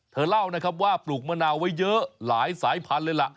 เธอเล่านะครับว่าปลูกมะนาวไว้เยอะหลายสายพันธุ์เลยล่ะ